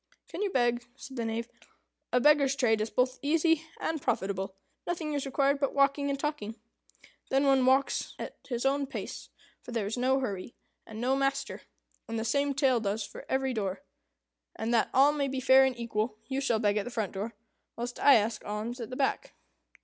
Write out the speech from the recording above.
"Can you beg?" said the Knave. "A beggar's trade is both easy and profitable. Nothing is required but walking and talking. Then one walks at his own pace, for there is no hurry, and no master, and the same tale does for every door. And, that all may be fair and equal, you shall beg at the front door, whilst I ask an alms at the back."